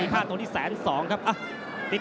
ย่าโมนะโมราช